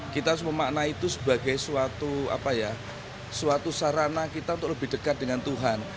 kita harus memaknai itu sebagai suatu sarana kita untuk lebih dekat dengan tuhan